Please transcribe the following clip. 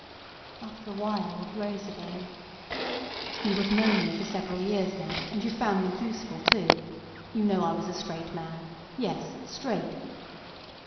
After a while it rose again. "You have known me for several years now, and you've found me useful, too. You know I was a straight man. Yes, straight."